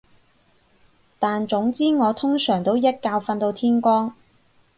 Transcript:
但總之我通常都一覺瞓到天光